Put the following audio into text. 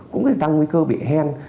cũng có thể tăng nguy cơ bị hen